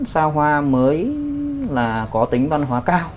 xa hoa mới là có tính văn hóa cao